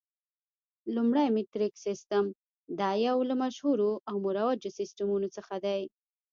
لومړی میټریک سیسټم، دا یو له مشهورو او مروجو سیسټمونو څخه دی.